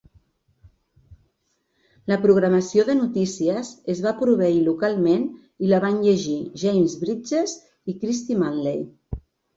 La programació de Notícies es va proveir localment i la van llegir James Brydges i Kirsty Manley.